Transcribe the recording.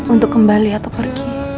untuk kembali atau pergi